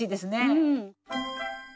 うん。